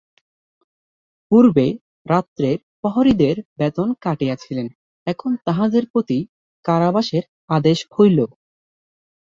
পূর্বে রাত্রের প্রহরীদের বেতন কাটিয়াছিলেন, এখন তাহাদের প্রতি কারাবাসের আদেশ হইল।